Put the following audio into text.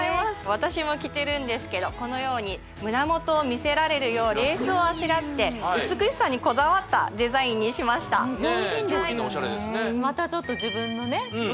私も着てるんですけどこのように胸元を見せられるようレースをあしらって美しさにこだわったデザインにしました上品ですよね